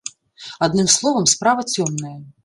Адным словам, справа цёмная.